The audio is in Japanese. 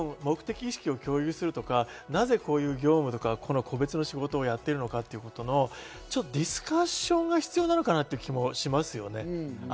ちゃんと目的意識を共有するとか、なぜこういう業務、個別の仕事をやってるのかということのディスカッションが必要なのかなという気もします。